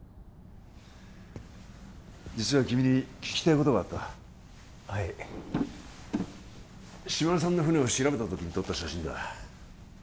実は君に聞きたいことがあったはい島田さんの船を調べた時に撮った写真だ